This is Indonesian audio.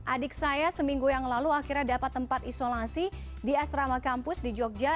adik saya seminggu yang lalu akhirnya dapat tempat isolasi di asrama kampus di jogja